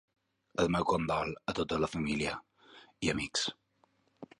El meu condol a tota la família i amics.